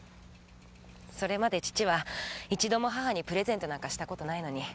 それまで父は一度も母にプレゼントなんかした事ないのに。